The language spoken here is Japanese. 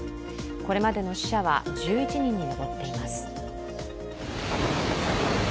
これまでの死者は１１人に上っています。